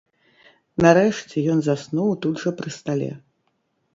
Нарэшце ён заснуў тут жа пры стале.